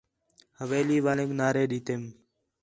حویلی والینک نعری ݙِیتم